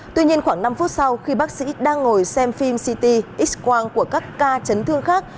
tuy nhiên khoảng năm phút sau khi bác sĩ đang ngồi xem phim city x quang của các ca chấn thương khác